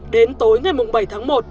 đến tối ngày bảy tháng một